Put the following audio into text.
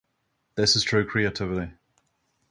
This is true creativity.